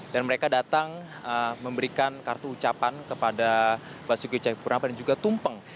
dan mereka datang memberikan kartu ucapan kepada basuki ceyapurnama dan juga tumpeng